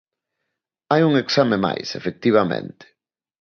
Hai un exame máis, efectivamente.